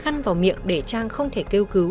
khăn vào miệng để trang không thể kêu cứu